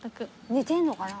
寝てんのかな？